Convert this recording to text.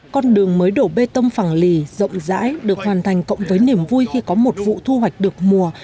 con đường mới đổ bê tông phẳng lì rộng rãi được hoàn thành cộng với niềm vui khi có một vụ thu hoạch được mùa